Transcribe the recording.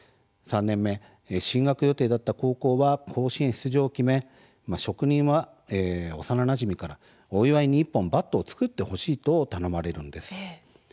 ３年目、進学予定だった高校は甲子園出場を決め職人は幼なじみからお祝いにと、バットを作ってほしいと頼まれるんです。